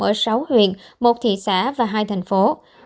ở sáu huyện một thị xã và hai thành phố